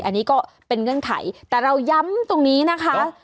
อันนี้ก็เป็นเงื่อนไขแต่เราย้ำตรงนี้นะคะ